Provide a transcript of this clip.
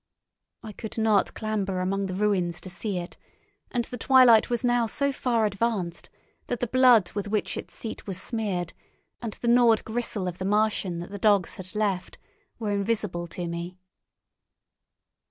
I could not clamber among the ruins to see it, and the twilight was now so far advanced that the blood with which its seat was smeared, and the gnawed gristle of the Martian that the dogs had left, were invisible to me.